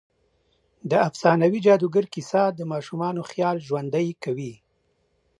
د افسانوي جادوګر کیسه د ماشومانو خيال ژوندۍ کوي.